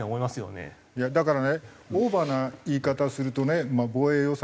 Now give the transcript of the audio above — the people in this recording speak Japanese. いやだからねオーバーな言い方するとね防衛予算